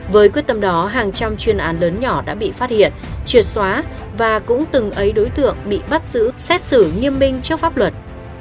với quyết tâm đó hàng trăm chuyên án lớn nhỏ đã bị phát hiện triệt xóa và cũng từng ấy đối tượng bị bắt giữ xét xử nghiêm minh trước pháp luật